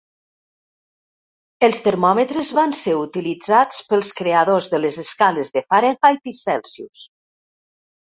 Els termòmetres van ser utilitzats pels creadors de les escales de Fahrenheit i Celsius.